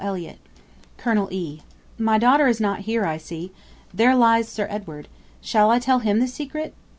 ELLIOTT. Col. E. My daughter is not here, I see. There lies Sir Edward. Shall I tell him the secret?